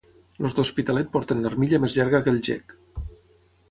Els d'Hospitalet porten l'armilla més llarga que el gec.